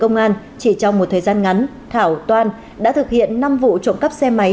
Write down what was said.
công an chỉ trong một thời gian ngắn thảo toan đã thực hiện năm vụ trộm cắp xe máy